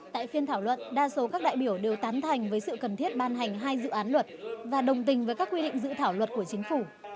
tại phiên thảo luận đa số các đại biểu đều tán thành với sự cần thiết ban hành hai dự án luật và đồng tình với các quy định dự thảo luật của chính phủ